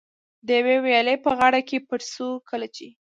د یوې ویالې په غاړه کې پټ شو، کله چې.